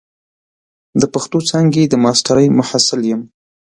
د پښتو څانګې د ماسترۍ محصل یم.